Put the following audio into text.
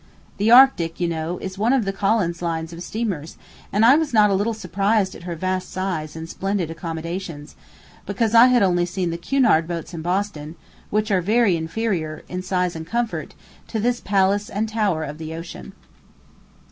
The Arctic, you know, is one of the Collins line of steamers, and I was not a little surprised at her vast size and splendid accommodations, because I had only seen the Cunard boats in Boston, which are very inferior, in size and comfort, to this palace and tower of the ocean.